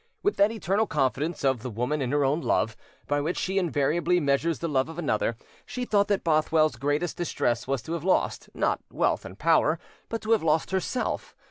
With that eternal confidence of the woman in her own love, by which she invariably measures the love of another, she thought that Bothwell's greatest distress was to have lost, not wealth and power, but to have lost herself.